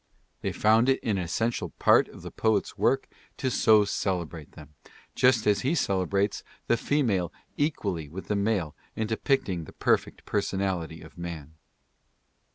They found it an essential part of the poet's work to so celebrate them, just as he celebrates the female equally with the male in depicting the perfect personality of man.